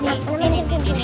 nih simp simp simp